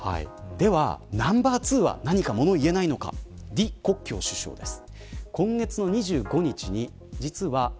では、ナンバー２は何か物を言えないのか李克強首相です。